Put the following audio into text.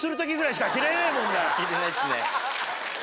着れないっすね。